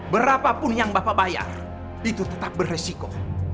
berapapun yang bapak bayar itu tetap beresiko